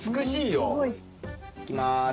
いきます。